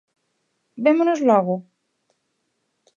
Vémonos logo?